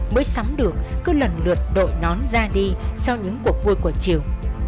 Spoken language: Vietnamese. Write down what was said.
mới sắm được cứ lần lượt đội nón ra đi sau những cuộc vui của chiều